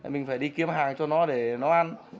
mình phải đi kiếm hàng cho nó để nó ăn